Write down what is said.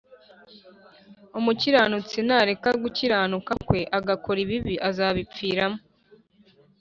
Umukiranutsi nareka gukiranuka kwe agakora ibibi azabipfiramo